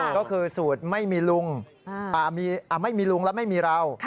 ก็คือสูตรไม่มีลุงไม่มีลุงแล้วไม่มีเรา